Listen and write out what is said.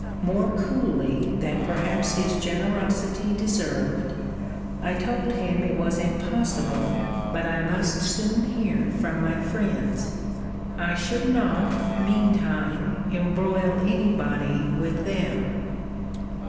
More coolly than perhaps his generosity deserved, I told him it was impossible but I must soon hear from my friends. I should not, mean time, embroil any body with them.